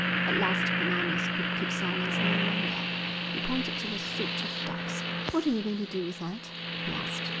At last Bananas could keep silence no longer. He pointed to a suit of ducks. "What are you going to do with that?" he asked.